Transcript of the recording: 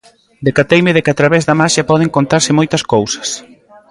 Decateime de que a través da maxia poden contarse moitas cousas.